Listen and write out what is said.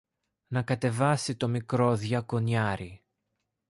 να κατεβάσει το μικρό διακονιάρη